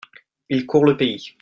Il court le pays.